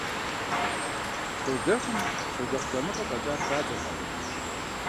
Щолэхъум «щолэхъу дамыгъэ» фӀэкӀа традзэртэкъым.